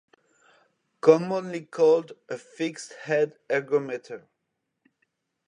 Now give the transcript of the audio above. Commonly called a 'Fixed head' ergometer.